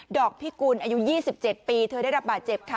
อกพิกุลอายุ๒๗ปีเธอได้รับบาดเจ็บค่ะ